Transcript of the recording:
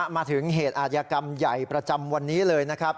มาถึงเหตุอาชญากรรมใหญ่ประจำวันนี้เลยนะครับ